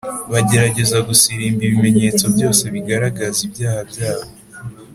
Bagerageza gusirimba ibimenyetso byose bigaragaza ibyaha byabo